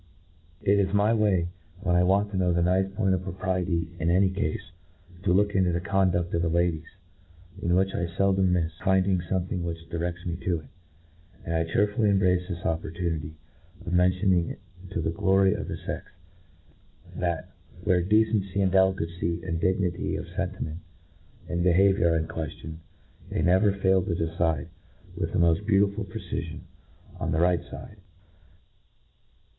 It is my way, when I want to know the nice point of propriety in any cafe, to look into the conduft of the ladies, in which I feldom mifs finding fomething which direfts me to it. And I chearfnlly embrace this opportunity of mentiAi i ing it to the glory of the fex, that, where decen cy, and delicacy, and dignity of fentiment and be haviour are in queftion — ^they never fail to de cide, with the mod beautiful precifion, on the right fide.